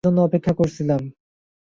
তোমার জন্য অপেক্ষা করছিলাম।